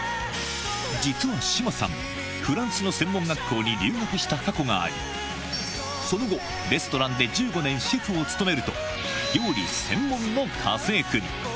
実は志麻さん、フランスの専門学校に留学した過去があり、その後、レストランで１５年シェフを務めると、料理専門の家政婦に。